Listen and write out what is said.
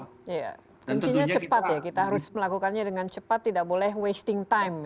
iya kuncinya cepat ya kita harus melakukannya dengan cepat tidak boleh wasting time